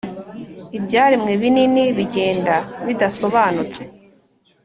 ibyaremwe binini bigenda bidasobanutse;